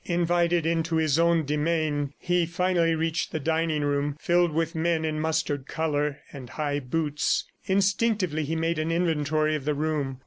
Invited into his own demesne, he finally reached the dining room, filled with men in mustard color and high boots. Instinctively, he made an inventory of the room.